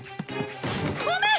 ごめん！